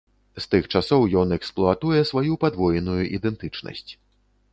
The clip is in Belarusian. З тых часоў ён эксплуатуе сваю падвоеную ідэнтычнасць.